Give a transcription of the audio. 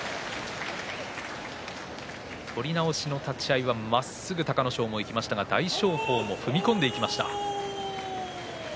取り直しの立ち合いはまっすぐ隆の勝いきましたが大翔鵬も踏み込んでいきました。